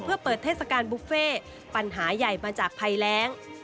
เพื่อเปิดเทศกาลบุฟเฟ่ปัญหาใหญ่มาจากภัยแรง